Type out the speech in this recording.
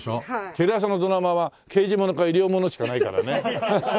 テレ朝のドラマは刑事ものか医療ものしかないからね。